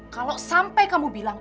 kalau sampai kamu bilang